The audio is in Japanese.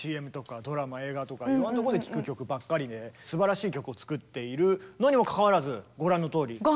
ＣＭとかドラマ映画とかいろんなとこで聴く曲ばっかりですばらしい曲を作っているのにもかかわらずご覧のとおり。